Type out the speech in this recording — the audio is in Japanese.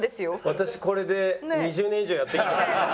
私これで２０年以上やってきてますから。